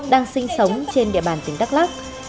đang sinh sống trên địa bàn tỉnh đắk lắc